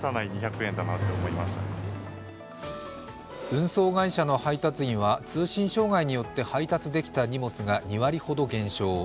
運送会社の配達員は通信障害によって配達できた荷物が２割ほど減少。